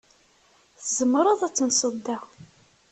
Tzemreḍ ad tenseḍ da.